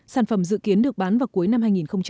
sản phẩm dự kiến được bán vào cuối năm hai nghìn hai mươi